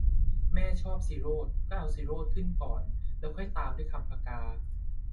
แม่ชอบศิโรตม์ก็เอาศิโรตม์ขึ้นก่อน แล้วค่อยตามด้วยคำผกา